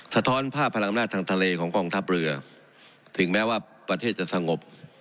ท้อนภาพพลังอำนาจทางทะเลของกองทัพเรือถึงแม้ว่าประเทศจะสงบ